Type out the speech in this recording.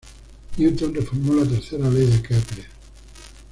Newton reformuló la tercera ley de Kepler.